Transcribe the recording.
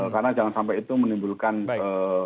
karena jangan sampai itu menimbulkan baik